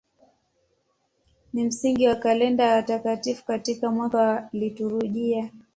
Ni msingi wa kalenda ya watakatifu katika mwaka wa liturujia.